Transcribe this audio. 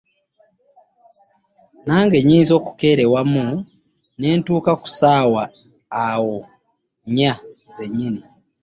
Nange nnyinza okukeerewamu ne ntuuka ku ssaawa awo nnya zennyini